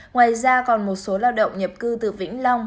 ngoài ra còn một số lao động nhập cư từ vĩnh long